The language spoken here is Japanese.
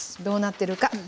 どうなってるか。